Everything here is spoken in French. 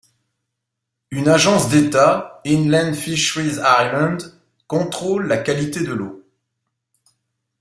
Une agence d'état, Inland Fisheries Ireland, contrôle la qualité de l'eau.